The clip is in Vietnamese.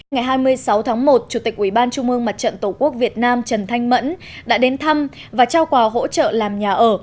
ngày hai mươi sáu tháng một chủ tịch ủy ban trung mương mặt trận tổ quốc việt nam trần thanh mẫn đã đến thăm và trao quà hỗ trợ làm nhà ở